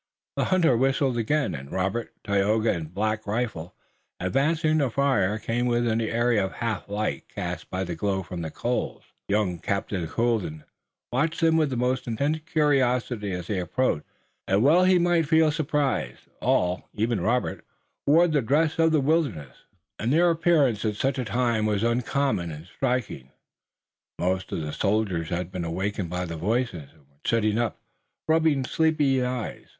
The hunter whistled again, and Robert, Tayoga and Black Rifle, advancing from the forest, came within the area of half light cast by the glow from the coals, young Captain Colden watching them with the most intense curiosity as they approached. And well he might feel surprise. All, even Robert, wore the dress of the wilderness, and their appearance at such a time was uncommon and striking. Most of the soldiers had been awakened by the voices, and were sitting up, rubbing sleepy eyes.